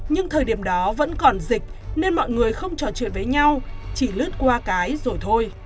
nhưng thời điểm đó vẫn còn dịch nên mọi người không trò chuyện với nhau chỉ lướt qua cái rồi thôi